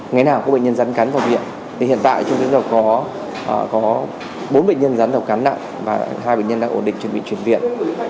ngày nào có bệnh nhân rắn cắn vào viện thì hiện tại trung tâm nhiễm độc có bốn bệnh nhân rắn độc cắn nặng và hai bệnh nhân đang ổn định chuẩn bị chuyển viện